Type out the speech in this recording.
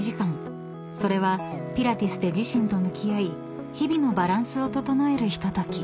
［それはピラティスで自身と向き合い日々のバランスを整えるひととき］